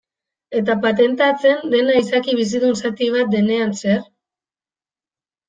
Eta patentatzen dena izaki bizidun zati bat denean zer?